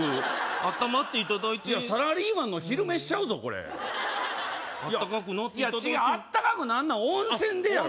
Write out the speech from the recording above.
あったまっていただいてサラリーマンの昼飯ちゃうぞこれあったかくなっていただいていや違うあったかくなんのは温泉でやろあっ